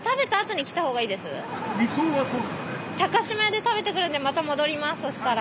島屋で食べてくるんでまた戻りますそしたら。